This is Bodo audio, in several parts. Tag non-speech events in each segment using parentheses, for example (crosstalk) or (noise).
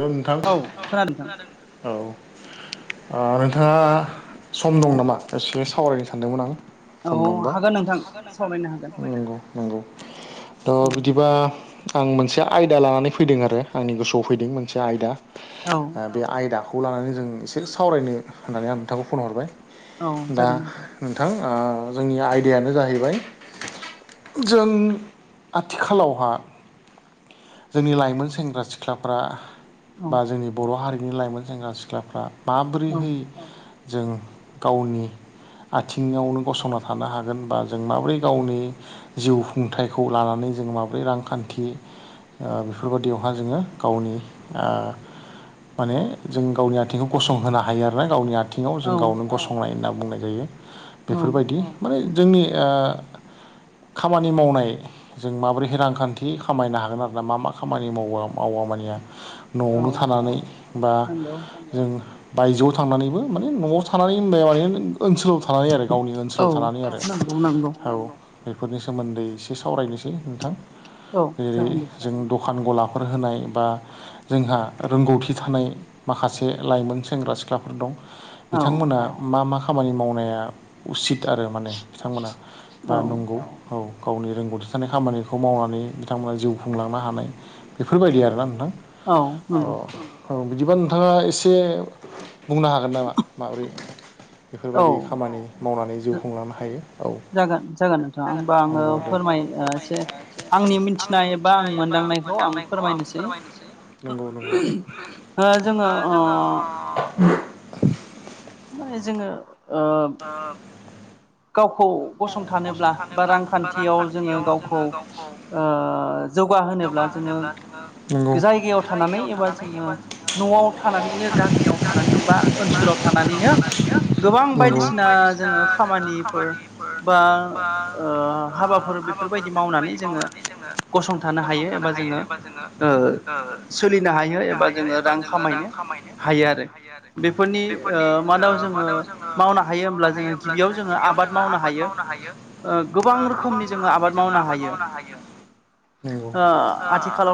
हेल नोंथां औ। ओ नोंथाङा सम दं नामा एसे सावरायनो सानदोंमोन आं। सम दंबा नंगौ। नंगौ दा' बिदिबा आं मोनसे आयदा लानानै फैदों आरो आंनि गोसोआव फैदों मोनसे आयदा औ बे आयदाखौ लानानै जों एसे सावरायनो होननानै आं नोंथांखौ फन हरबाय। औ जागोन दे। नोंथां जोंनि आयदायानो जाहैबाय जों आथिखालावहा जोंनि लाइमोन सेंग्रा सिख्लाफ्रा बा जोंनि बर' हारिनि लाइमोन सेंग्रा सिख्लाफ्रा माबोरैहाय जों गावनि आथिङावनो गसंना थानो हागोन बा जों माबोरै गावनि जिउ खुंथायाइखौ लानानै जों माबोरै रांखान्थि ओ बेफोरबायदियावहा जोंङो गावनि ओ माने जों गावनि आथिंखौ गसंहोनो हायो आरोना गावनि आ आथिङाव जों गावनो गसंनाय होनना बुंनाय जायो बेफोरबायदि माने जोंनि ओ खामानि मावनाय जों माबोरै रांखान्थि खामायनो हागोन आरोना मा मा खामानि मावा मावा मानिया न'आवनो थानानै बा जों बायजोआव थांनानैबो माने न'आव थानानै होनबाय माने ओनसोलाव थानानै आरो गावनि ओनसोलाव थानानै आरो औ। बेफोरनि सोमोन्दै एसे सावरायनोसै नोंथां जेरै जों दखान गलाफोर होनाय बा जोंहा रोंगौथि थानाय माखासे लाइमोन सेंग्रा सिख्लाफोर दं। बिथांमोना मा मा खामानि मावनाया उसित आरो माने बिथांमोना बा नंगौ औ गावनि रोंगौथि थानाय खामानिखौ मावनानै बिथांमोना जिउ खुंलांनो हानाय। बेफोरबायदि आरोना नोंथां। अ' औ बिदिबा नोंथांङा एसे बुंनो हागोन नामा माबोरै? बेफोरबायदि खामानि मावनानै जिउ खुंलांनो हायो औ नंगौ दे। आंनि मिथिनाय बा आं मोनदांनायखौ आं फोरमायनोसै। ओ जोंङो ओ (unintelligible) माने जोंङो ओ ओ गावखौ गसंथानोब्ला बा रांखान्थियाव जोंङो गावखौ ओ जौगाहोनोब्ला जोंङो जायगायाव थानानै एबा जोंङो न'आव थानानैनो गामियाव थानानै बा ओनसोलाव थानानैनो गोबां बायदिसिना जोंङो खामानिफोर बा ओ हाबाफोर बेफोरबायदि मावनानै जोंङो गसंथानो हायो एबा जोंङो ओ सोलिनो हायो एबा जोंङो रां खामायनो हायो आरो बेफोरनि मादाव जोंङो मावनो हायो होमब्ला जोंङो गिबियाव जोंङो आबाद मावनो हायो। आबाद मावनो हायो ओ गोबां रोखोमनि जोंङो आबाद मावनो हायो। नंगौ ओ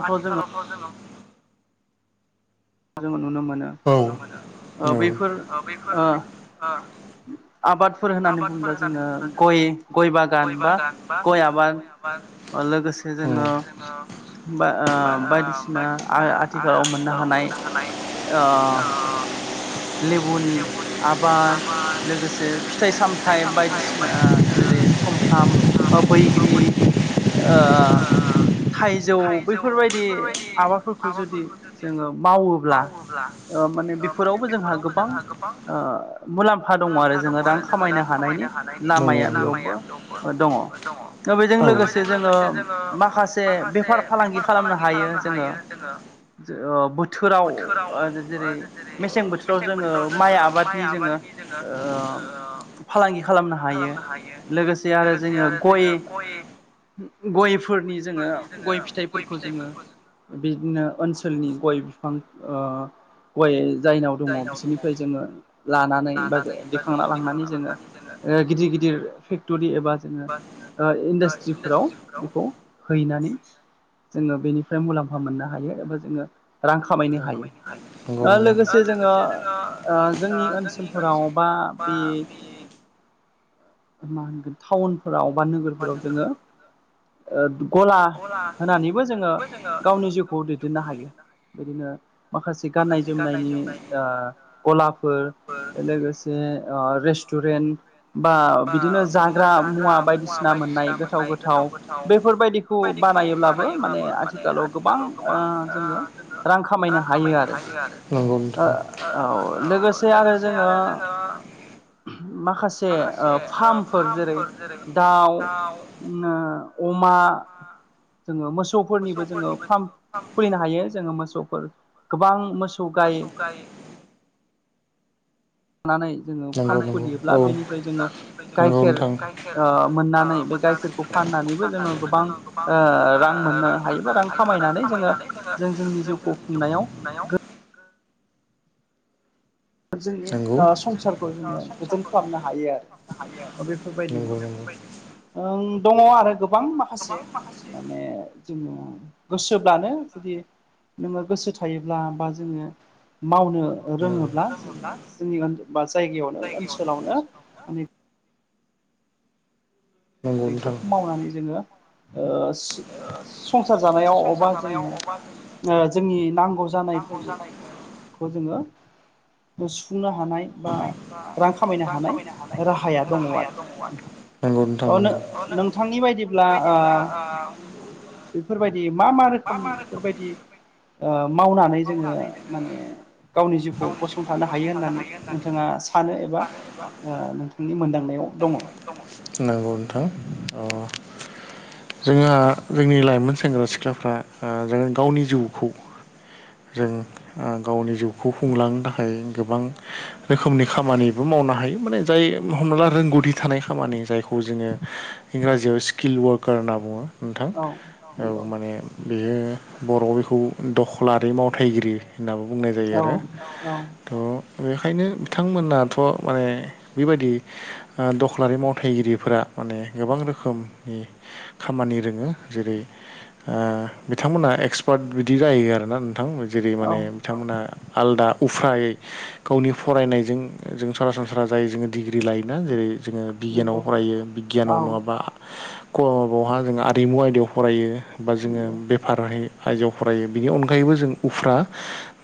आथिखालथ जोंङो जोंङो नुनो मोनो ओ बैफोर ओ आबादफोर होननानै बुंङोब्ला जोंङो गय गय बागान बा गय आबाद लोगोसे जोंङो बायदिसिना आथिखालाव मोननो हानाय ओ लेबुनि आबाद लोगोसे फि फिथाइ सामथाइ बायदिसिना जेरै सुमफ्राम ओ बैग्रि ओ थाइजौ बैफोरबायदि आबादफोरखौ जुदि जोङो मावोब्ला ओ माने बेफोरावबो जों जोंहा गोबां मुलाम्फा दङ आरो जोङो रां खामायनो हानायनि लामाया बेयावबो। दङ बेजों लोगोसे जोङो माखासे बे फालांगि खालामनो हायो जोङो बोथोराव ओ जेरै मेसें बोथोराव जोङो माइ आबादनि जोङो ओ फालांगि खालामनो हायो लोगोसे आरो जोङो गय गयफोरनि जोङो गय फिथाइफोरखौ जोङो बिदिनो ओनसोलनि गय बिफां ओ गय जायनाव दङ बिसोरनिफ्राय जोङो लानानै बा दिखांना लांनानै जोङो ओ गिदिर गिदिर फेक्टरि एबा जोङो ओ इन्डास्ट्रिफोराव बेखौ हैनानै जोङो बेनिफ्राय मुलाम्फा मोननो हायो एबा जोङो रां खामायनो हायो ओ लोगोसे से जोङो ओ जोंनि ओनसोलफोराव बा बे मा होनगोन टाउनफोराव बा नोगोरफोराव जोङो ओ गला होनानैबो जोङो गावनि जिउखौ दैदेननो हायो। बिदिनो माखासे गाननाय जोमनायनि ओ गलाफोर लोगोसे ज ओ रेस्टुरेन्ट बा बिदिनो जाग्रा मुवा बायदिसिना मोननाय गोथाव गोथाव बेफोरबायदिखौ बानायोब्लाबो माने आथिखालाव गोबां जोङो ओ रां खामायनो हायो आरो। औ लोगोसे आरो जोङो माखासे माखासे ओ फार्मफोर जेरै दाउ अमा जोङो मोसौ फोरनिबो जोङो फार्म खुलिनो हायो जोङो मोसौफोर गोबां मोसौ गाय मोसौ गाय लानानै जोङो फार्म खुलियोब्ला बेनिफ्राय जोङो गाइखेर ओ मोननानै बे गाइखेरखौ फाननानैबो जोङो गोबां ओ रां मोननो हायोबा रां खामायनानै जोङो जों जोंनि जिउखौ खुंनायाव जोंनि संसारखौ जोङो गोजोन खालामनो हायो आरो बेफोरबायदिनो दङ आरो गोबां माखासे माने जोङो गोसोब्लानो जुदि नोङो गोसो थायोब्ला बा जोङो मावनो ओ रोङोब्ला जोङो जोंनि बा जायगायावनो ओनसोलावनो बेफोरखौ मावनानै जोङो ओ सु संसार जानायाव अबा जोङो ओ जोंनि नांगौ जानायफोरबो खौ जोङो सुफुंनो हानाय बा रां खामायनो हानाय राहाया दङ आरो नोंथां अ नो नोंथांनि बायदिब्ला ओ बेफोरबायदि मा मा रोखोमनि बेफोरबायदि ओ मावनानै जोङो माने गावनि जिउखौ गसंथानो हायो होननानै नोंथाङा सानो एबा ओ नोंथांनि मोनदांनायाव दङ। नांगौ नोंथां अ जोंहा जोंनि लाइमोन सेंग्रा सिख्लाफ्रा ओ जोङो गावनि जिउखौ जों ओ गावनि जिउखौ खुंलांनो थाखाय गोबां रोखोमनि खामानिबो मावनो हायो माने जाय हमना ला रोंगौथि थानाय खामानि जायखौ जोङो इंराजियाव स्किल वारकार होनना बुङो। नोंथां औ माने बियो बर'वाव बेखौ दखलारि मावथायगिरि होनाबो बुंनाय जायो आरो त' बेखायनो बिथांमोनाथ' माने बेबायदि ओ दखलारि मावथायगिरिफोरा माने गोबां रोखोमनि। खामानि रोङो जेरै ओ बिथांमोना एक्सपार्ट बिदि जायो आरो। बा नोंथां जेरै माने बिथांमोना आलदा उफाय गावनि फरायनायजों जों सरासनस्रा जाय जोंङो डिग्रि लायोना जेरै जोंङो बिगियानाव फरायो बिगियानाव नङाबा कबहा जों आरिमु आयदायाव फरायो। बा जोंङो बेफार राहायै आयदायाव फरायो बिनि अन यैबो जों उफ्रा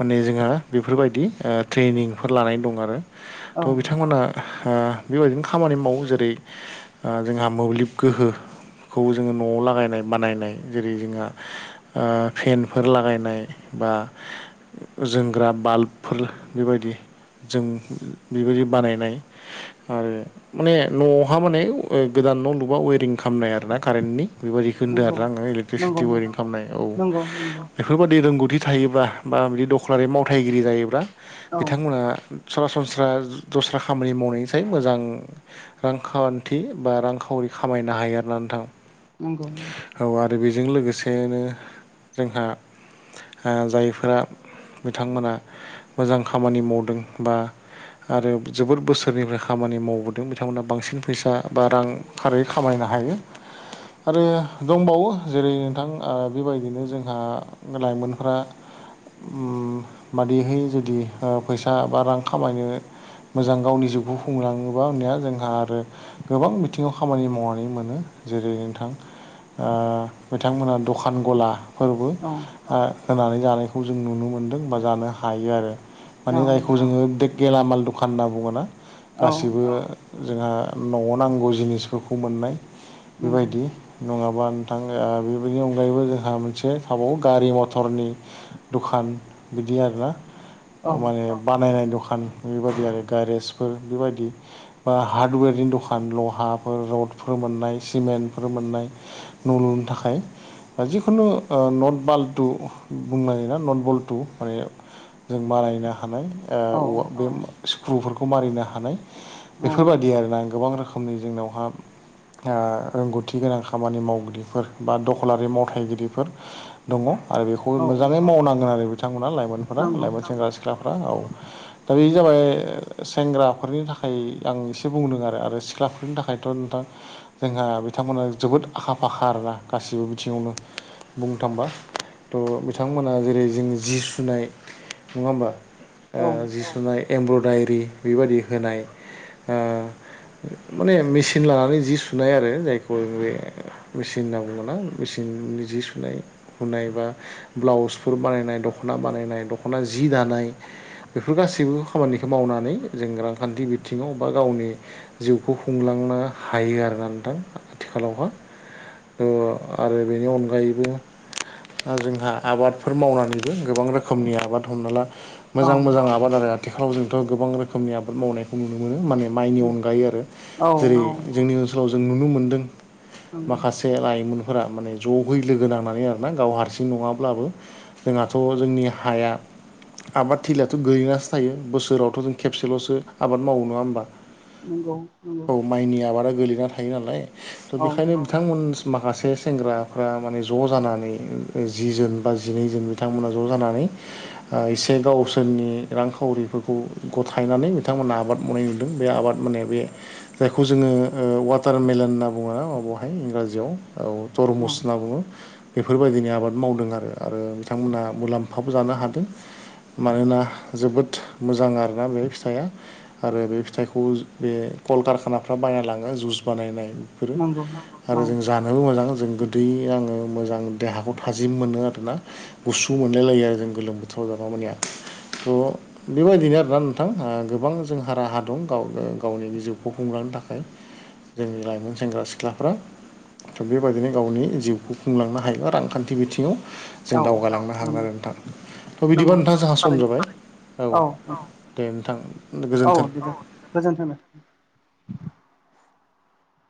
माने जोंहा बेफोरबायदि ओ ट्रेनिंफोर लानानै दं आरो त' बिथांमोना ओ बेबायदिनो खामानि मावो जेरै ओ जोंहा मोब्लिब गोहोखौबो जोंङो न'वाव लागायनाय बानायनाय जेरै जोंहा ओ फेनफोर लागायनाय बा जोंग्रा बाल्बफोर बेबायदि जों बेबायदि बानायनाय आरो माने न' आवहा माने गोदान न' लुबा वेरिं खालामनाय आरोना कारेन्टनि बेबायदिखौ होनदो आरोना आङो इलेकट्रिसिटि वेरिं खालामनाय औ बेफोरबा दि रोंगौथि थायोब्लाा बा बिदि दखलारि मावथायगिरि जायोब्ला बिथांमोना सरासनस्रा दस्रा खामानि मावनायनिसाय मोजां रांखान्थि बा रांखावरि खामायनो हायो आरोना नोंथां। नंगौ। औ आरो बेजों लोगोसेनो जोंहा ओ जायफोरा बिथांमोना मोजां खामानि मावदों बा आरो जोबोद बोसोरनिफ्राय खामानि मावबोदों बिथांमोना बांसिन फैसा बा रां थारै खामायनो हायो। आरो दंबावो जेरै नोंथां ओ बेबायदिनो जोंहा लाइमोनफ्रा उम मादिहाय जुदि ओ फैसा बा रां खामायनो मोजां गावनि जिउखौ खुंलाङोबा ओमबानिया जोंहा आरो गोबां बिथिङाव खामानि मावनानै मोनो जेरै नोंथां ओ बिथांमोना दखान गलाफोरबो (unintelligible) ओ होनानै जानायखौ जों नुनो मोनदों बा जानो हायो आरो माने जायखौ जोंङो बे गेलामाल दखान होनना बुंङोना गासैबो जोंहा न'वाव नांगौ जिनिसफोरखौ मोननाय बेबायदि। नङाबा नोंथां ओ बेबायनि अनगायैबो जोंहा मोनसे थाबावो गारि मथरनि दखान बिदि आरोना माने बानायनाय दखान बेबायदि आरो गेरेजफोर बेबायदि बा हार्डवेरनि दखान लहाफोर रडफोर मोननाय सिमेन्टफोर मोननाय न' लुनो थाखाय ओ जिखुनु ओ न बाल्टु बुंनो हायोना नट बल्टु माने जों मानायनो हानाय ओ औवा बे सिक्रुफोरखौ मारिनो हानाय बेफोरबादि आरोना गोबां रोखोमनि जोंनावहा ओ रोंगौथि गोनां खामानि मावगिरिफोर बा दखलारि मावथायगिरिफोर दङ आरो बेखौ मोजाङै मावनांगोन आरो बिथांमोना लाइमोनफोरा लाइमोन सेंग्रा सिख्लाफ्रा औ दा बे जाबाय सेंग्राफोरनि थाखाय आं एसे बुंदों आरो आरो सिख्ला फोरनि थाखायथ' नोंथां जोंहा बिथांमोना जोबोद आखा फाखा आरोना गाैबो बिथिङावनो बुंनो थांबा थ' बिथांमोना जेरै जों जि सुनाय नङा होमबा ओ जि सुनाय एमब्रदायरि बेबायदि होनाय ओ माने मेचिन लानानै जि सुनाय आरो जायखौ जों बे मेचिन होना बुङो ना मेचननि जि सुनाय हुनाय बा ब्लाउसफोर बानायनाय दख'ना बानायनाय दख'ना जि दानाय बेफोर गासैबो खामानिखौ मावनानै जों रांखान्थि बिथिङाव बा गावनि जिउखौ खुंलांनो हायो आरोना नोंथां आथिखालावहा ओ आरो बेनि अनगायैबो जोंहा आबादफोर मावनानैबो गोबां रोखोमनि आबाद हमना ला मोजां मोजां आबाद आरो थिखालाव जोंथ' गोबां रोखोमनि आबाद मावनाय खौ नुनो मोनो माने माइनि अनगायै आरो जेरै जोंनि ओनसोलाव जों नुनो मोन्दों माखासे लाइमोनफोरा माने जयै लोगो नां नानै आरोना गाव हारसिं नङाब्लाबो जोंहाथ' जोंनि हाया आबाद थिलिथ' गोलैनासो थायो बोसोरावथ' जों खेबसेल'सो आबाद मावो नङा होमबा औ माइनि आबादा गोलैना थायो नालाय त' बेखायनो बिथांमोन माखासे सेंग्राफ्रा माने ज' जानानै जि जोन बा जिनै जोन बिथांमोना ज' जानानै एसे गावसोरनि रांखावरिफोरखौ गथायनानै बिथांमोना आबाद मावनाय नुदों बे आबाद माने बे जायखौ जोङो ओ वाटारमेलेन होनना बुङोबा अ बहाय इंराजियाव ओ तरमुस होनना बुङो बेफोरबायदिनो आबाद मावदों आरो आरो बिथांमोनहा मुलाम्फाबो जानो हादों मानोना जोबोद मोजां आरोना बे फिथाया आरो बे फिथाइखौ बे कल कारखानाफ्रा बायना लाङो जुइस बानायनाय बेफोरो आरो जों जानोबो मोजां जों गोदै नाङो मोजां देहाखौ थाजिम मोनो आरोना गुसु मोनलाय लायो आरो जों गोलोम बोथोराव जाबा मानिया थ बेबायदिनो आरोना नोंथां ओ गोबां जों हार राहा दं गावनि जिउखौ खुंलांनो थाखाय जोंनि लाइमोन सेंग्रा सिख्लाफ्रा थ' बेबायदिनो गावनि जिउखौ बुंलांनो हायो रांखान्थि बिथिङाव जों दावगालांनो हागोन आरो नोंथां थ' बिदिबा नोंथाङा जोंहा सम जाबाय औ दे नोंथां गोजोन्थों गोजोनथों नो